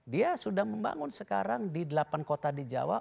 dia sudah membangun sekarang di delapan kota di jawa